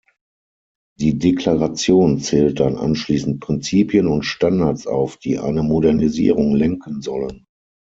Die Deklaration zählt dann anschließend Prinzipien und Standards auf, die eine Modernisierung lenken sollen.